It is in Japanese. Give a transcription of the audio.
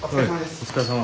お疲れさま。